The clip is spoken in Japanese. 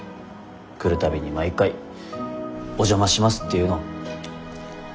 来るたびに毎回「お邪魔します」って言うの。